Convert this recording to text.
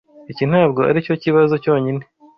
Iki ntabwo aricyo kibazo cyonyine.